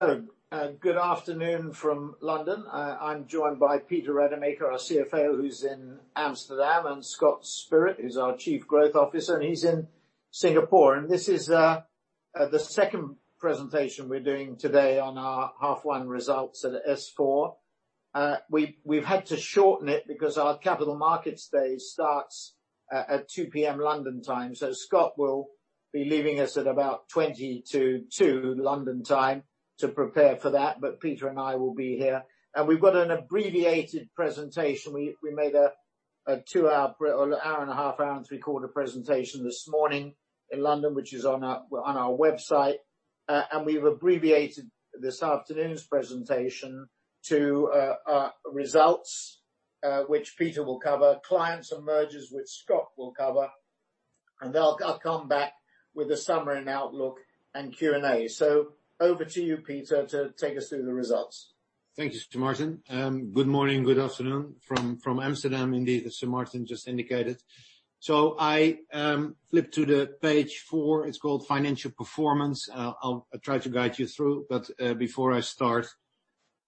Hello. Good afternoon from London. I'm joined by Peter Rademaker, our CFO, who's in Amsterdam, and Scott Spirit, who's our Chief Growth Officer, and he's in Singapore. This is the second presentation we're doing today on our half one results at S4. We've had to shorten it because our Capital Markets Day starts at 2:00 P.M. London time. Scott will be leaving us at about 20 to 2:00 London time to prepare for that, but Peter and I will be here. We've got an abbreviated presentation. We made an hour and a half, hour and three-quarter presentation this morning in London, which is on our website. We've abbreviated this afternoon's presentation to results, which Peter will cover, clients and mergers, which Scott will cover, and I'll come back with a summary and outlook and Q&A. Over to you, Peter, to take us through the results. Thank you, Sir Martin. Good morning, good afternoon from Amsterdam, indeed, as Sir Martin just indicated. I flip to the page four. It's called financial performance. I'll try to guide you through, but, before I start,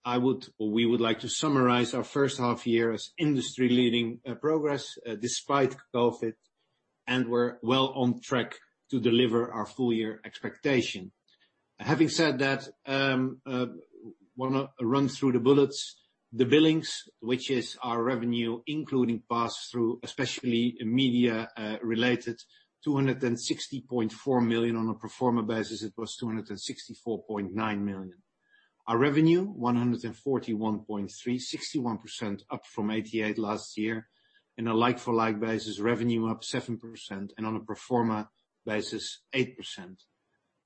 we would like to summarize our first half year as industry-leading progress despite COVID, and we're well on track to deliver our full-year expectation. Having said that, want to run through the bullets. The billings, which is our revenue, including pass-through, especially media-related, 260.4 million. On a pro forma basis, it was 264.9 million. Our revenue, 141.3, 61% up from 88 last year. In a like-for-like basis, revenue up 7%, and on a pro forma basis, 8%.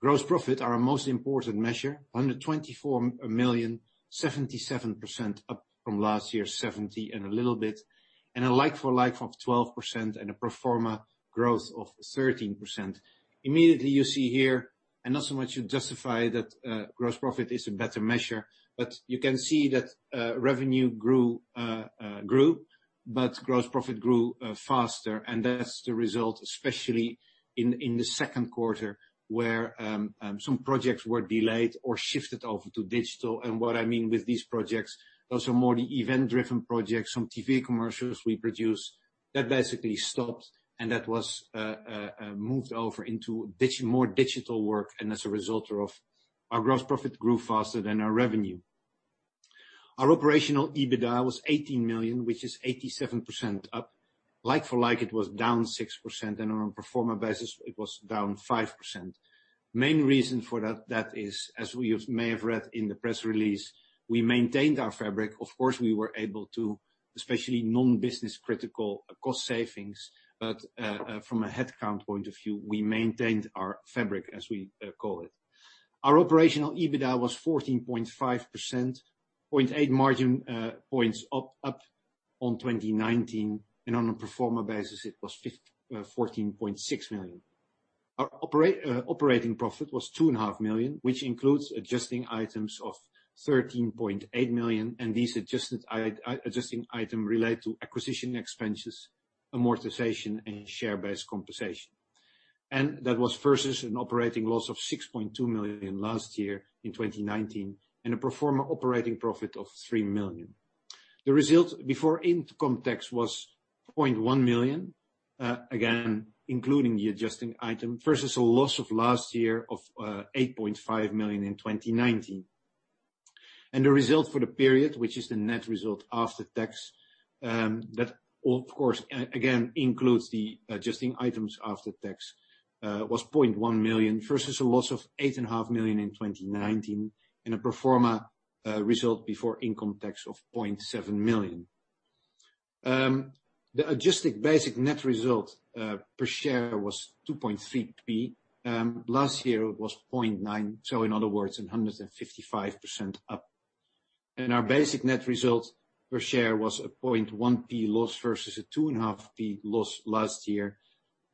Gross profit, our most important measure, 124 million, 77% up from last year's 70 million and a little bit, and a like-for-like of 12% and a pro forma growth of 13%. Immediately you see here, not so much to justify that gross profit is a better measure, you can see that revenue grew, gross profit grew faster, that's the result, especially in the second quarter, where some projects were delayed or shifted over to digital. What I mean with these projects, those are more the event-driven projects. Some TV commercials we produced, that basically stopped, that was moved over into more digital work, as a result, our gross profit grew faster than our revenue. Our operational EBITDA was 18 million, which is 87% up. Like for like, it was down 6%, on a pro forma basis, it was down 5%. Main reason for that is, as you may have read in the press release, we maintained our fabric. Of course, we were able to, especially non-business critical cost savings, but from a headcount point of view, we maintained our fabric, as we call it. Our operational EBITDA was 14.5%, 0.8 margin points up on 2019, and on a pro forma basis, it was [14.6%]. Our operating profit was two and a half million, which includes adjusting items of 13.8 million, These adjusting items relate to acquisition expenses, amortization, and share-based compensation. That was versus an operating loss of 6.2 million last year in 2019 and a pro forma operating profit of 3 million. The result before income tax was 0.1 million, again, including the adjusting items, versus a loss of last year of 8.5 million in 2019. The result for the period, which is the net result after tax, that of course, again, includes the adjusting items after tax, was 0.1 million versus a loss of 8.5 million in 2019 and a pro forma result before income tax of 0.7 million. The adjusted basic net result per share was GBP 2.3p. Last year was GBP 0.9p. In other words, 155% up. Our basic net result per share was a GBP 0.1p loss versus a GBP 2.5p loss last year,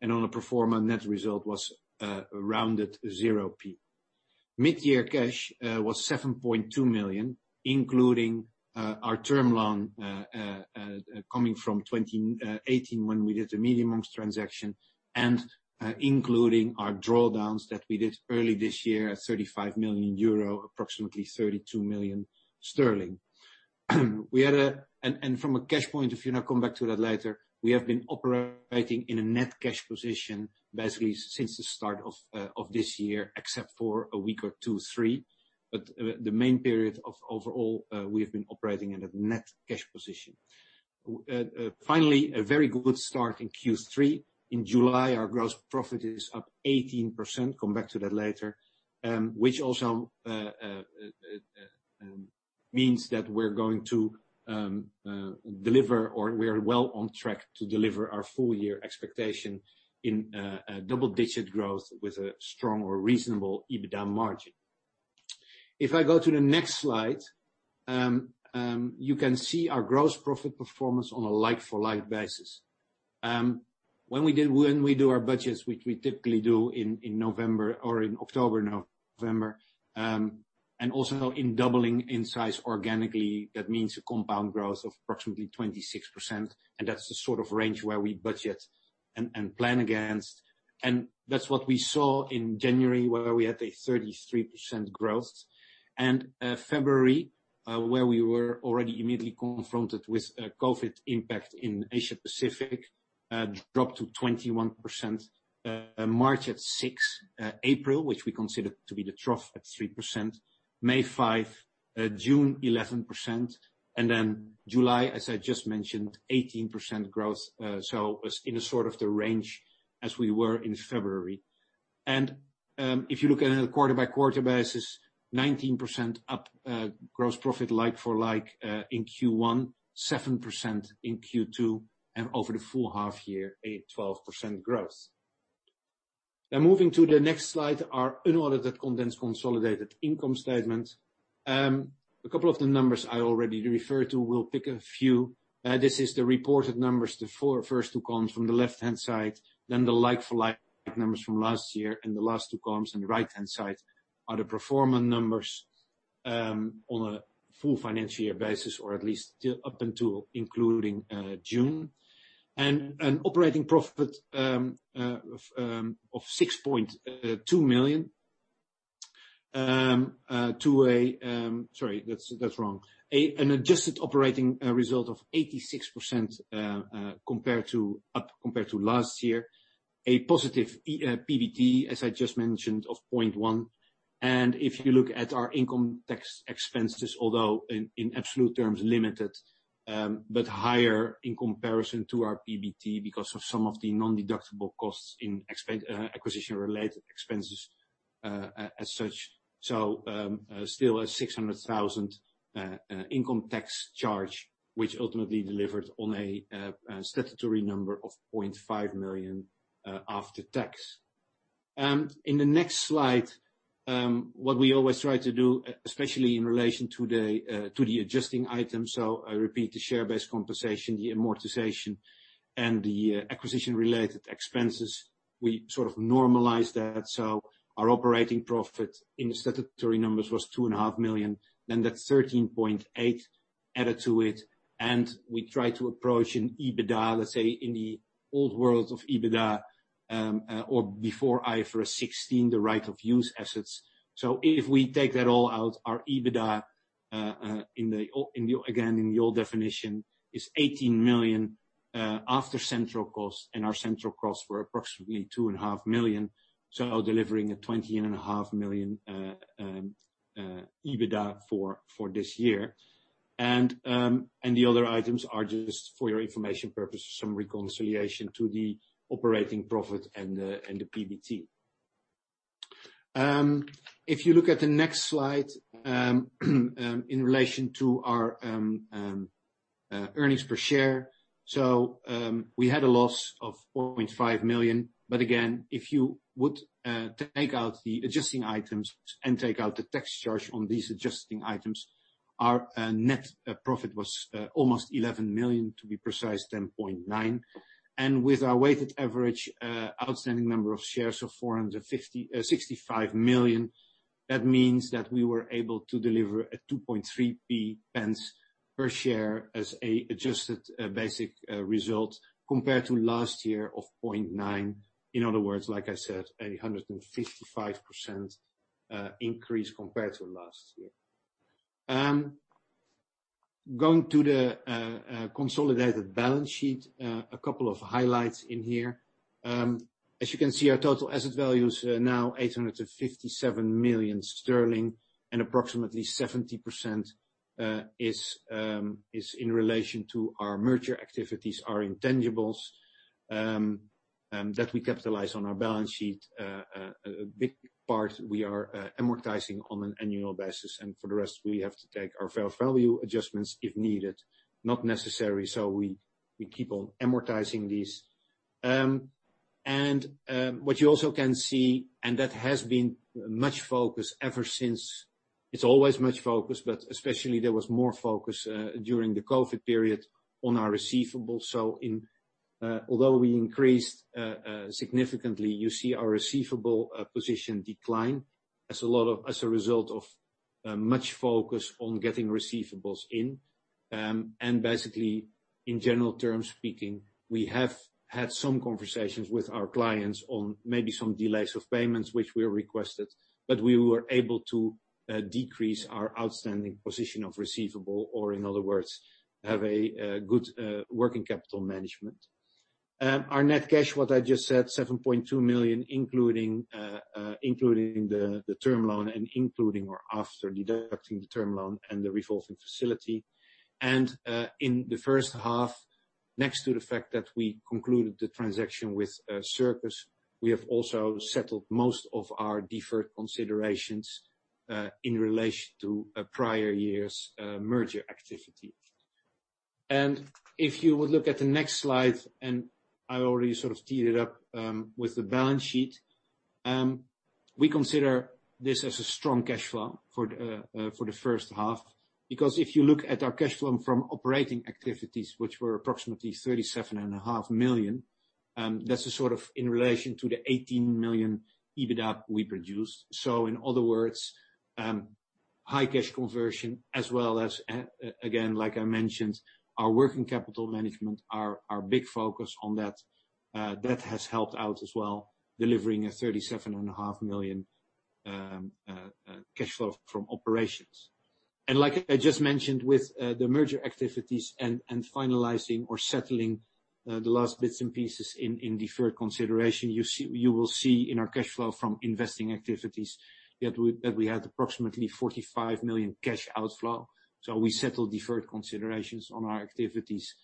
and on a pro forma net result was a rounded GBP 0.0p. Mid-year cash was 7.2 million, including our term loan, coming from 2018 when we did the MediaMonks transaction and including our drawdowns that we did early this year at 35 million euro, approximately 32 million sterling. From a cash point of view, and I'll come back to that later, we have been operating in a net cash position basically since the start of this year except for a week or two, three, but the main period of overall, we have been operating at a net cash position. A very good start in Q3. In July, our gross profit is up 18%, come back to that later, which also means that we're going to deliver, or we're well on track to deliver our full-year expectation in double-digit growth with a strong or reasonable EBITDA margin. If I go to the next slide, you can see our gross profit performance on a like-for-like basis. When we do our budgets, which we typically do in October, November, and also in doubling in size organically, that means a compound growth of approximately 26%. That's the sort of range where we budget and plan against. That's what we saw in January, where we had a 33% growth. February, where we were already immediately confronted with a COVID impact in Asia Pacific, dropped to 21%, March at 6%, April, which we consider to be the trough at 3%, May 5%, June 11%, July, as I just mentioned, 18% growth. In the range as we were in February. If you look at it on a quarter-by-quarter basis, 19% up gross profit like-for-like in Q1, 7% in Q2, over the full half year, a 12% growth. Moving to the next slide, our unaudited condensed consolidated income statement. A couple of the numbers I already referred to, we'll pick a few. This is the reported numbers, the first two columns from the left-hand side, then the like-for-like numbers from last year, and the last two columns on the right-hand side are the pro forma numbers on a full financial year basis, or at least up until including June. An operating profit of 6.2 million to a... Sorry, that's wrong. An adjusted operating result of 86% up compared to last year. A positive PBT, as I just mentioned, of 0.1 million. If you look at our income tax expenses, although in absolute terms limited, but higher in comparison to our PBT because of some of the non-deductible costs in acquisition related expenses as such. Still a 600,000 income tax charge, which ultimately delivered on a statutory number of 0.5 million after tax. In the next slide, what we always try to do, especially in relation to the adjusting items, so I repeat the share-based compensation, the amortization, and the acquisition related expenses, we normalize that. Our operating profit in statutory numbers was 2.5 million, then that 13.8 million added to it, and we try to approach an EBITDA, let's say in the old world of EBITDA, or before IFRS 16, the right of use assets. If we take that all out, our EBITDA, again in the old definition, is 18 million after central costs and our central costs were approximately 2.5 million, delivering a 20.5 million EBITDA for this year. The other items are just for your information purposes, some reconciliation to the operating profit and the PBT. If you look at the next slide in relation to our earnings per share. We had a loss of 4.5 million, but again, if you would take out the adjusting items and take out the tax charge on these adjusting items, our net profit was almost 11 million, to be precise, 10.9 million. With our weighted average outstanding number of shares of 465 million, that means that we were able to deliver a GBP 2.3p per share as a adjusted basic result compared to last year of GBP 0.9p. In other words, like I said, a 155% increase compared to last year. Going to the consolidated balance sheet, a couple of highlights in here. As you can see, our total asset value is now 857 million sterling, approximately 70% is in relation to our merger activities, our intangibles, that we capitalize on our balance sheet. A big part we are amortizing on an annual basis, and for the rest, we have to take our fair value adjustments if needed. Not necessary, so we keep on amortizing these. What you also can see, and that has been much focus ever since It's always much focus, but especially there was more focus during the COVID period on our receivables. Although we increased significantly, you see our receivable position decline as a result of much focus on getting receivables in. Basically, in general terms speaking, we have had some conversations with our clients on maybe some delays of payments which we requested, but we were able to decrease our outstanding position of receivable, or in other words, have a good working capital management. Our net cash, what I just said, 7.2 million, including or after deducting the term loan and the revolving facility. In the first half, next to the fact that we concluded the transaction with Circus, we have also settled most of our deferred considerations, in relation to prior years' merger activity. If you would look at the next slide, I already sort of teed it up with the balance sheet. We consider this as a strong cash flow for the first half, because if you look at our cash flow from operating activities, which were approximately 37.5 million, that's in relation to the 18 million EBITDA we produced. In other words, high cash conversion as well as, again, like I mentioned, our working capital management, our big focus on that has helped out as well, delivering a 37.5 million cash flow from operations. Like I just mentioned, with the merger activities and finalizing or settling the last bits and pieces in deferred consideration, you will see in our cash flow from investing activities that we had approximately 45 million cash outflow. We settled deferred considerations on our activities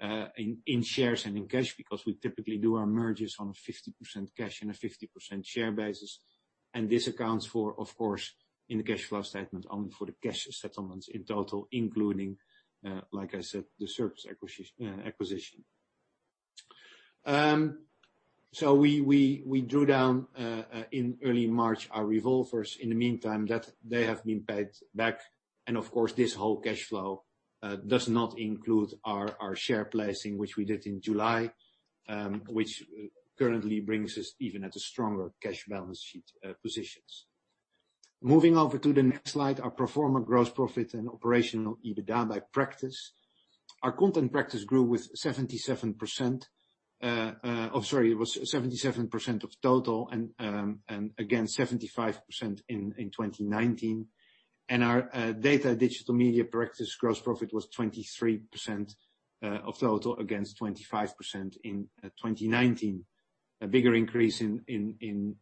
in shares and in cash because we typically do our mergers on a 50% cash and a 50% share basis. This accounts for, of course, in the cash flow statement only for the cash settlements in total, including, like I said, the Circus acquisition. We drew down in early March our revolvers. In the meantime, they have been paid back, and of course, this whole cash flow does not include our share placing, which we did in July, which currently brings us even at a stronger cash balance sheet positions. Moving over to the next slide, our pro forma gross profit and operational EBITDA by practice. Our content practice grew with 77%. It was 77% of total, again, 75% in 2019. Our Data & Digital Media practice gross profit was 23% of total, against 25% in 2019. A bigger increase in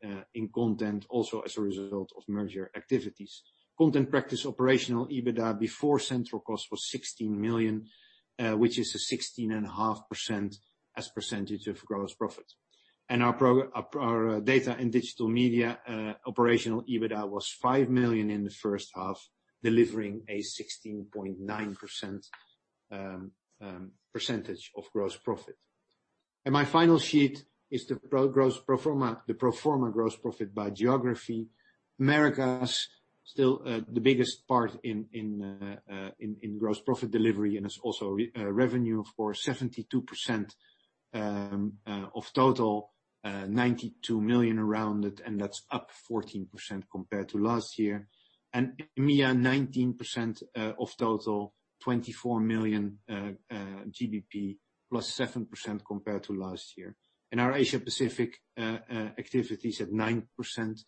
content, also as a result of merger activities. Content practice operational EBITDA before central cost was 16 million, which is a 16.5% as a percentage of gross profit. Our Data & Digital Media operational EBITDA was five million in the first half, delivering a 16.9% percentage of gross profit. My final sheet is the pro forma gross profit by geography. Americas, still the biggest part in gross profit delivery, it's also revenue for 72% of total, 92 million rounded, that's up 14% compared to last year. EMEA, 19% of total, 24 million, +7% compared to last year. Our Asia Pacific activity is at 9%,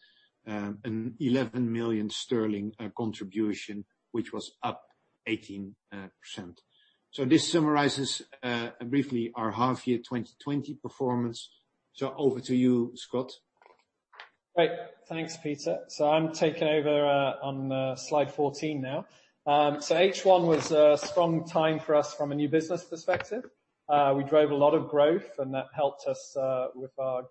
a 11 million sterling contribution, which was up 18%. This summarizes briefly our half year 2020 performance. Over to you, Scott. Great. Thanks, Peter. I'm taking over on slide 14 now. H1 was a strong time for us from a new business perspective. We drove a lot of growth, and that helped us with our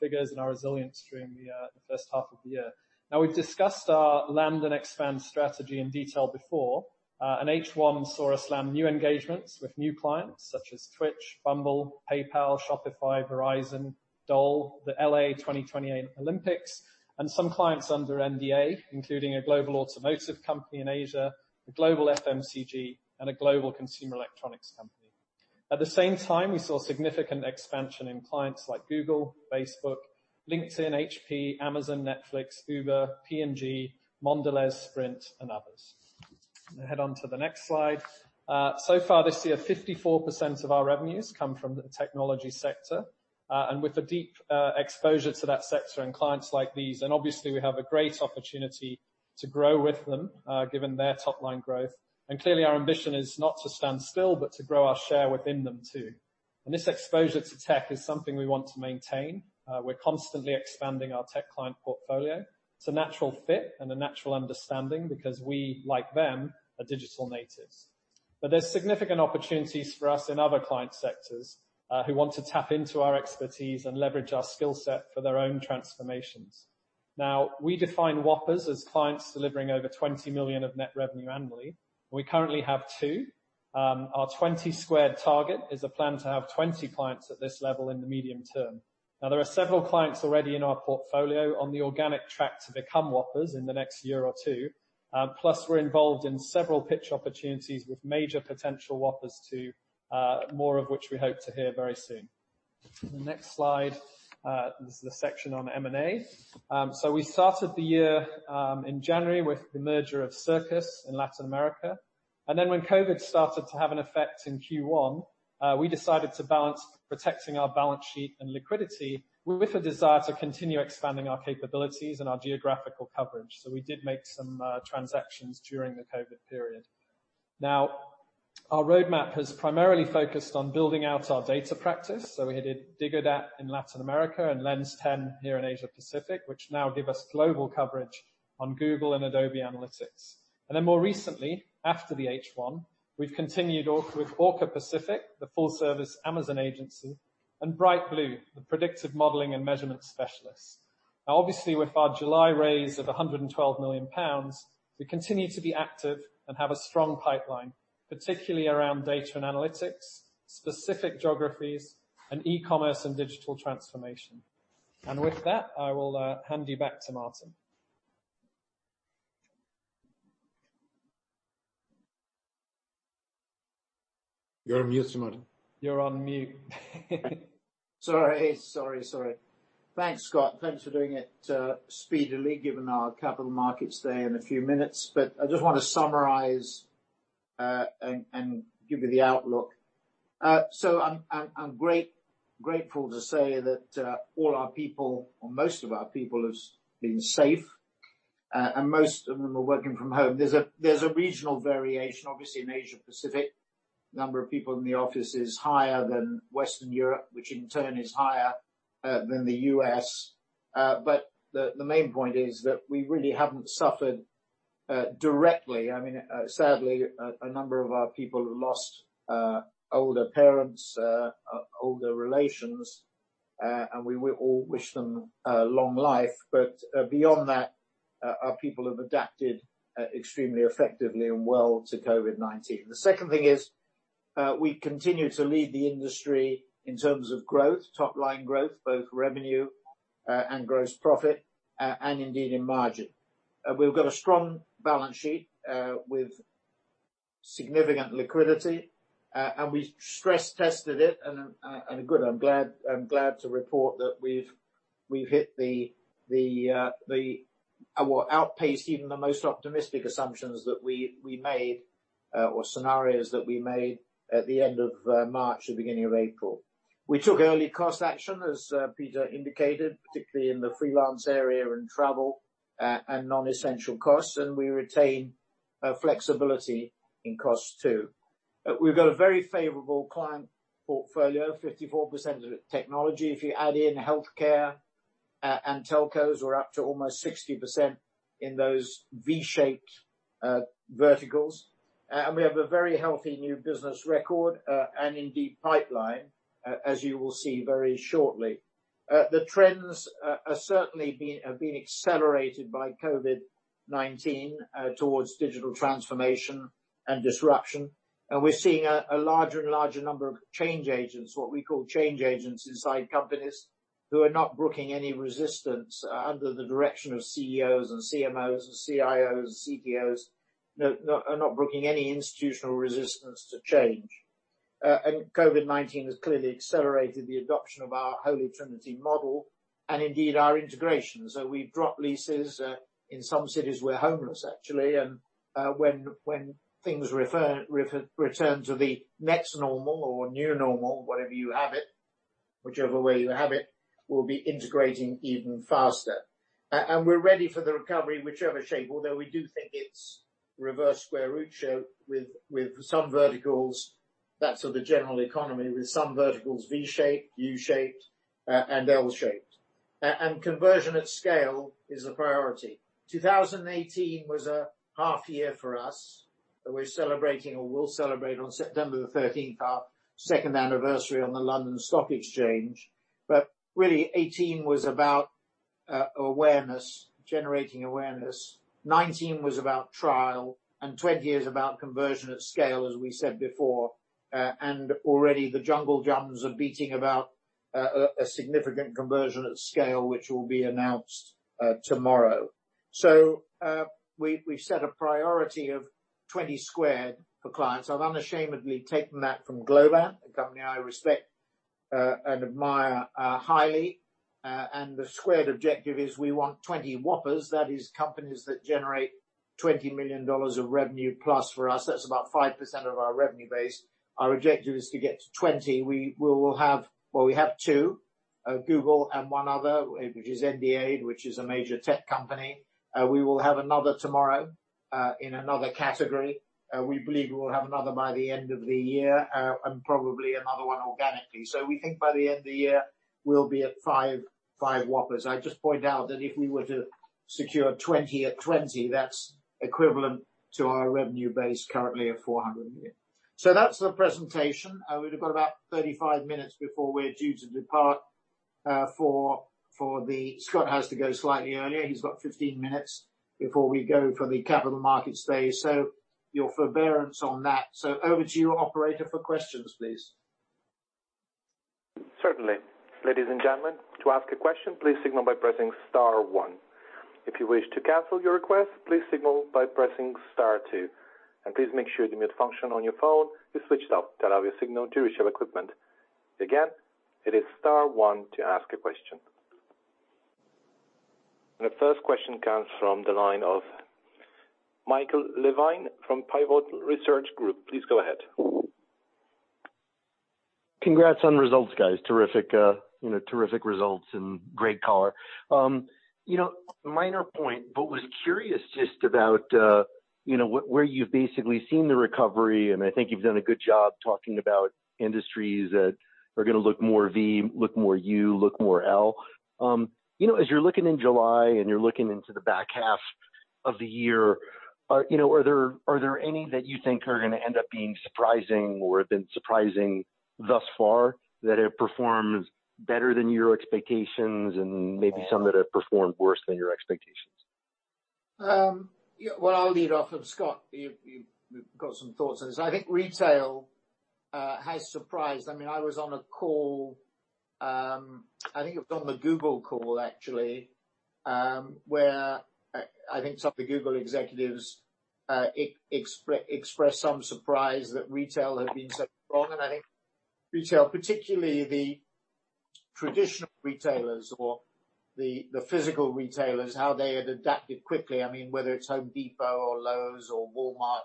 figures and our resilience during the first half of the year. Now, we've discussed our land and expand strategy in detail before. H1 saw us land new engagements with new clients such as Twitch, Bumble, PayPal, Shopify, Verizon, Dole, the LA28 Olympics, and some clients under NDA, including a global automotive company in Asia, a global FMCG, and a global consumer electronics company. At the same time, we saw significant expansion in clients like Google, Facebook, LinkedIn, HP, Amazon, Netflix, Uber, P&G, Mondelez, Sprint, and others. Head on to the next slide. Far this year, 54% of our revenues come from the technology sector. With a deep exposure to that sector and clients like these, obviously, we have a great opportunity to grow with them, given their top-line growth. Clearly, our ambition is not to stand still, but to grow our share within them, too. This exposure to tech is something we want to maintain. We're constantly expanding our tech client portfolio. It's a natural fit and a natural understanding because we, like them, are digital natives. There's significant opportunities for us in other client sectors, who want to tap into our expertise and leverage our skill set for their own transformations. Now, we define Whoppers as clients delivering over $20 million of net revenue annually. We currently have two. Our 20 Squared target is a plan to have 20 clients at this level in the medium term. There are several clients already in our portfolio on the organic track to become Whoppers in the next year or two. Plus, we're involved in several pitch opportunities with major potential Whoppers too, more of which we hope to hear very soon. The next slide is the section on M&A. We started the year in January with the merger of Circus in Latin America. When COVID started to have an effect in Q1, we decided to balance protecting our balance sheet and liquidity with a desire to continue expanding our capabilities and our geographical coverage. We did make some transactions during the COVID period. Our roadmap has primarily focused on building out our data practice. We added Digodat in Latin America and Lens10 here in Asia Pacific, which now give us global coverage on Google and Adobe Analytics. More recently, after the H1, we've continued with Orca Pacific, the full-service Amazon agency, and Brightblue, the predictive modeling and measurement specialists. Obviously, with our July raise of 112 million pounds, we continue to be active and have a strong pipeline, particularly around data and analytics, specific geographies, and e-commerce and digital transformation. With that, I will hand you back to Martin. You're on mute, Martin. You're on mute. Sorry. Thanks, Scott. Thanks for doing it speedily, given our Capital Markets Day in a few minutes. I just want to summarize and give you the outlook. I'm grateful to say that all our people, or most of our people have been safe, and most of them are working from home. There's a regional variation, obviously, in Asia Pacific. Number of people in the office is higher than Western Europe, which in turn is higher than the U.S., but the main point is that we really haven't suffered directly. Sadly, a number of our people have lost older parents, older relations, and we all wish them long life. Beyond that, our people have adapted extremely effectively and well to COVID-19. The second thing is, we continue to lead the industry in terms of growth, top line growth, both revenue and gross profit, and indeed in margin. We've got a strong balance sheet with significant liquidity. We stress tested it, and good, I'm glad to report that we've hit or outpaced even the most optimistic assumptions that we made or scenarios that we made at the end of March or beginning of April. We took early cost action, as Peter indicated, particularly in the freelance area and travel, and non-essential costs. We retain flexibility in costs too. We've got a very favorable client portfolio, 54% of it technology. If you add in healthcare and telcos, we're up to almost 60% in those V-shaped verticals. We have a very healthy new business record, and indeed pipeline, as you will see very shortly. The trends have certainly been accelerated by COVID-19 towards digital transformation and disruption. We're seeing a larger and larger number of change agents, what we call change agents inside companies who are not brooking any resistance under the direction of CEOs and CMOs and CIOs and CTOs, are not brooking any institutional resistance to change. COVID-19 has clearly accelerated the adoption of our Holy Trinity model and indeed our integration. We've dropped leases. In some cities, we're homeless, actually. When things return to the next normal or new normal, whatever you have it, whichever way you have it, we'll be integrating even faster. We're ready for the recovery, whichever shape, although we do think it's reverse square root shape with some verticals, that sort of general economy, with some verticals V shaped, U shaped, and L shaped. Conversion at scale is a priority. 2018 was a half year for us. We're celebrating or will celebrate on September the 13th, our second anniversary on the London Stock Exchange. Really 2018 was about awareness, generating awareness. 2019 was about trial, 2020 is about conversion at scale, as we said before. Already the jungle drums are beating about a significant conversion at scale, which will be announced tomorrow. We've set a priority of 20 Squared for clients. I've unashamedly taken that from Globant, a company I respect and admire highly. The Squared objective is we want 20 Whoppers. That is companies that generate $20 million of revenue plus for us. That's about 5% of our revenue base. Our objective is to get to 20. Well, we have two, Google and one other, which is NDA'd, which is a major tech company. We will have another tomorrow in another category. We believe we will have another by the end of the year, and probably another one organically. We think by the end of the year, we'll be at five Whoppers. I just point out that if we were to secure 20 at 20, that's equivalent to our revenue base currently at [400 million]. That's the presentation. We've got about 35 minutes before we're due to depart for the-- Scott has to go slightly earlier. He's got 15 minutes before we go for the Capital Market stage. Your forbearance on that. Over to you, operator, for questions, please. Certainly. Ladies and gentlemen, to ask a question, please signal by pressing star one. If you wish to cancel your request, please signal by pressing star two. Please make sure the mute function on your phone is switched off to allow your signal to reach our equipment. Again, it is star one to ask a question. The first question comes from the line of Michael Levine from Pivotal Research Group. Please go ahead. Congrats on results, guys. Terrific results and great color. Minor point, but was curious just about where you've basically seen the recovery, and I think you've done a good job talking about industries that are going to look more V, look more U, look more L. As you're looking in July and you're looking into the back half of the year, are there any that you think are going to end up being surprising or have been surprising thus far that have performed better than your expectations and maybe some that have performed worse than your expectations? Well, I'll lead off. Scott, you've got some thoughts on this. I think retail has surprised. I was on a call, I think it was on the Google call actually, where I think some of the Google executives expressed some surprise that retail had been so strong. I think retail, particularly the traditional retailers or the physical retailers, how they had adapted quickly. Whether it's Home Depot or Lowe's or Walmart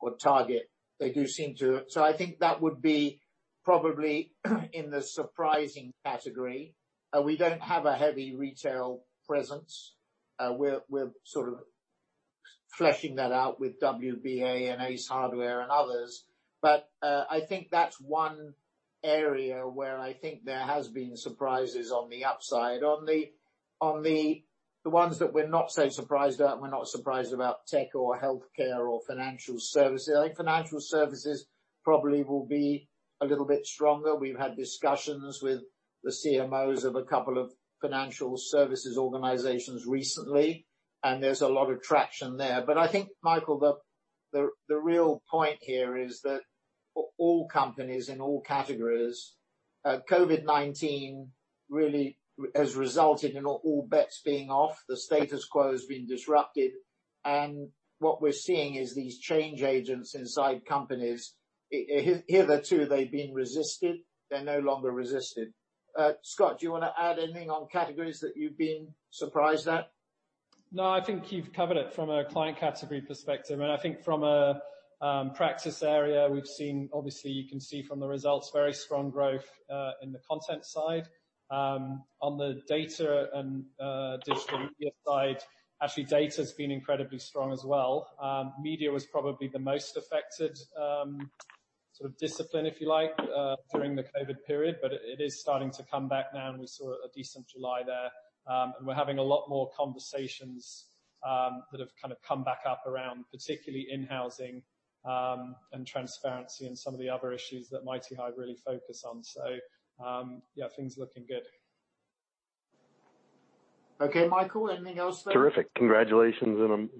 or Target, they do seem to. I think that would be probably in the surprising category. We don't have a heavy retail presence. We're sort of fleshing that out with WBA and Ace Hardware and others. I think that's one area where I think there has been surprises on the upside. On the ones that we're not so surprised at, we're not surprised about tech or healthcare or financial services. I think financial services probably will be a little bit stronger. We've had discussions with the CMOs of a couple of financial services organizations recently, and there's a lot of traction there. I think, Michael, the real point here is that for all companies in all categories, COVID-19 really has resulted in all bets being off. The status quo has been disrupted, and what we're seeing is these change agents inside companies, hitherto they've been resisted, they're no longer resisted. Scott, do you want to add anything on categories that you've been surprised at? No, I think you've covered it from a client category perspective. I think from a practice area, we've seen, obviously you can see from the results, very strong growth, in the Content side. On the Data & Digital Media side, actually, Data's been incredibly strong as well. Media was probably the most affected sort of discipline, if you like, during the COVID period, but it is starting to come back now, and we saw a decent July there. We're having a lot more conversations that have kind of come back up around, particularly in-housing and transparency and some of the other issues that MightyHive really focus on. Yeah, things are looking good. Okay, Michael, anything else then? Terrific. Congratulations.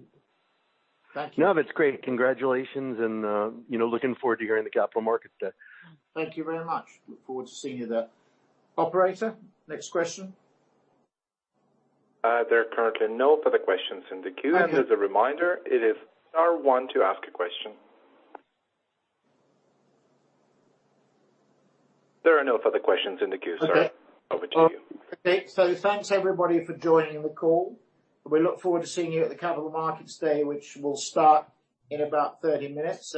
Thank you. No, but it's great. Congratulations and looking forward to hearing the Capital Markets Day. Thank you very much. Look forward to seeing you there. Operator, next question. There are currently no further questions in the queue. As a reminder, it is star one to ask a question. There are no further questions in the queue, sir. Over to you. Okay. Thanks everybody for joining the call. We look forward to seeing you at the Capital Markets Day, which will start in about 30 minutes.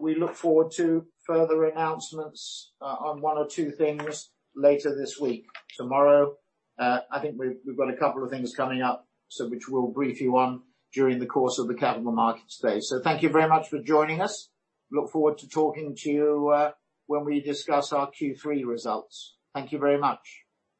We look forward to further announcements on one or two things later this week. Tomorrow, I think we've got a couple of things coming up, which we'll brief you on during the course of the Capital Markets Day. Thank you very much for joining us. Look forward to talking to you when we discuss our Q3 results. Thank you very much.